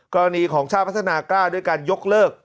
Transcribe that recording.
กรณีของชาติพัฒนากล้าด้วยการยกเลิก